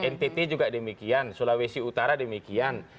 ntt juga demikian sulawesi utara demikian